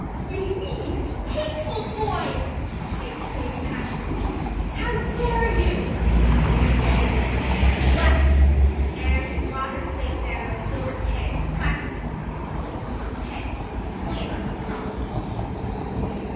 "You mean, hateful boy!" she exclaimed passionately. "How dare you!" And then thwack! Anne had brought her slate down on Gilbert's head and cracked it slate not head clear across.